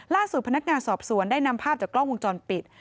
ล่าสุดพนักงานสอบส่วนได้นำภาพจากกล้องมุมจรปิด